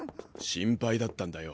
心配だったんだよ。